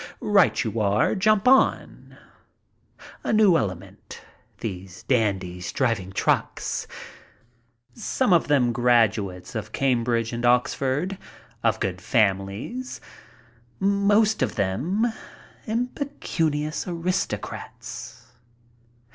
"Right you are. Jump on." A new element, these dandies driving trucks, some of them graduates of Cambridge and Oxford, of good families, most of them, impecunious aristocrats.